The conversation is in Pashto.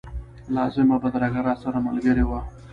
لازمه بدرګه راسره ملګرې وه.